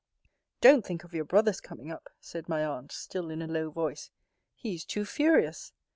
Don't think of your brother's coming up, said my aunt, still in a low voice He is too furious.